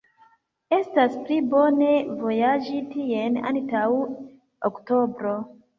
Estas pli bone vojaĝi tien antaŭ oktobro.